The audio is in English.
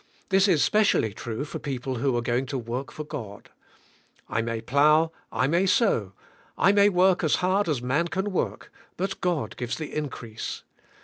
This is specially true for people who are going to work for God. I may plow, I may sow, I may work as hard as man can work, but God gives the in crease.